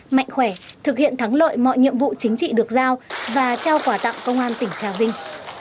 mạnh khỏe thực hiện thắng lợi mọi nhiệm vụ chính trị được giao và trao quà tặng công an tỉnh trà vinh